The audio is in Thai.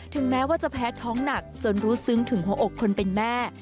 แม้ว่าจะแพ้ท้องหนักจนรู้ซึ้งถึงหัวอกคนเป็นแม่